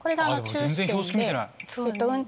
全然標識見てない。